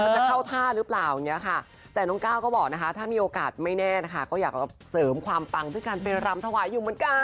จะเข้าท่าหรือเปล่าอย่างนี้ค่ะแต่น้องก้าวก็บอกนะคะถ้ามีโอกาสไม่แน่นะคะก็อยากเสริมความปังด้วยการไปรำถวายอยู่เหมือนกัน